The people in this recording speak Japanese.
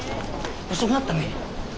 遅くなったね。